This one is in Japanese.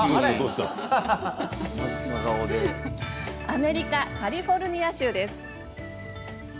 アメリカ、カリフォルニア州です。